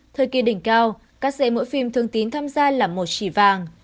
thời kỳ đỉnh cao các dễ mỗi phim thương tín tham gia là một chỉ vàng